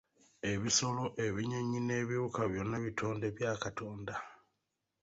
Ebisolo, ebinyonyi n’ebiwuka byonna bitonde bya Katonda.